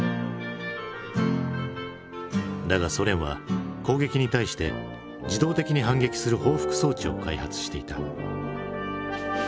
だがソ連は攻撃に対して自動的に反撃する報復装置を開発していた。